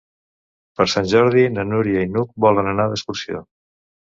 Per Sant Jordi na Núria i n'Hug volen anar d'excursió.